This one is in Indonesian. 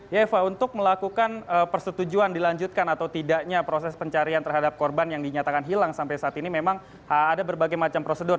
ya eva untuk melakukan persetujuan dilanjutkan atau tidaknya proses pencarian terhadap korban yang dinyatakan hilang sampai saat ini memang ada berbagai macam prosedur